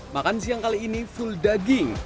makan siang kali ini full daging